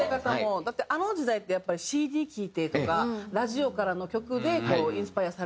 だってあの時代ってやっぱりＣＤ聴いてとかラジオからの曲でインスパイアされてとかって。